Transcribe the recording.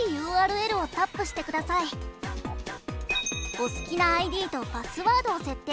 お好きなＩＤとパスワードを設定。